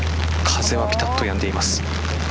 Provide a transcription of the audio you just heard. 風は、ぴたっとやんでいます。